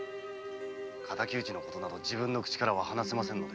敵討ちのことなど自分の口からは話せませんので。